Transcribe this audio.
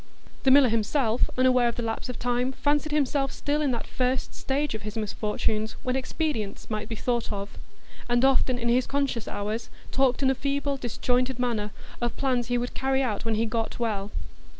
The miller himself, unaware of the lapse of time, fancied himself still in that first stage of his misfortunes when expedients might be thought of; and often in his conscious hours talked in a feeble, disjointed manner of plans he would carry out when he "got well."